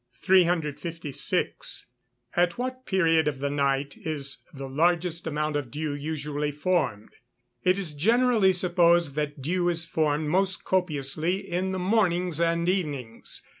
356. At what period of the night is the largest amount of dew usually formed? It is generally supposed that dew is formed most copiously in the mornings and evenings.